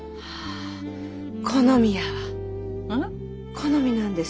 好みなんです